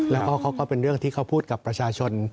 แล้วก็เขาก็เป็นเรื่องที่เขาพูดกับประชาชน